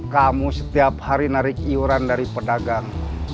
kamu setiap hari narik iuran dari pedagang